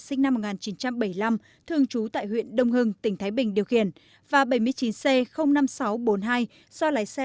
sinh năm một nghìn chín trăm bảy mươi năm thường trú tại huyện đông hưng tỉnh thái bình điều khiển và bảy mươi chín c năm nghìn sáu trăm bốn mươi hai do lái xe